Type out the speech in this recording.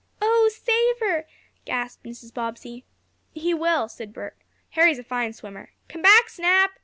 "Oh, save her!" gasped Mrs. Bobbsey. "He will!" said Bert. "Harry's a fine swimmer. Come back, Snap!"